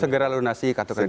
segera lunasi kartu kredit